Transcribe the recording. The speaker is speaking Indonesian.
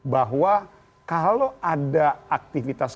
bahwa kalau ada aktivitas